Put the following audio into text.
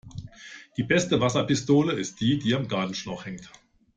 Die beste Wasserpistole ist die, die am Gartenschlauch hängt.